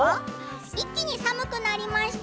一気に寒くなりました。